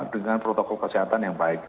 dengan protokol kesehatan yang baik